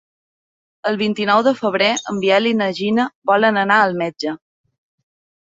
El vint-i-nou de febrer en Biel i na Gina volen anar al metge.